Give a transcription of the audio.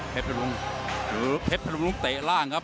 เทพฟึงรุ้งเทพฟึงรุ้งเตะร่างครับ